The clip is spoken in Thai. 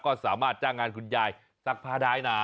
ก็สามารถจ้างงานคุณยายซักผ้าได้นะ